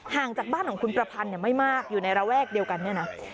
งจากบ้านของคุณประพันธ์ไม่มากอยู่ในระแวกเดียวกันเนี่ยนะ